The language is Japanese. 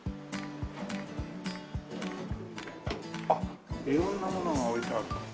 あっ色んなものが置いてある。